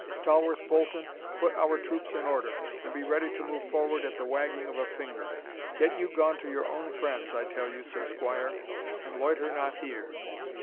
Stawarth Bolton, put our troop in order, and be ready to move forward at the wagging of a finger. Get you gone to your own friends, I tell you, Sir Squire, and loiter not here."